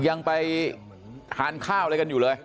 ยังไปทานข้าวอะไรกันอยู่เลย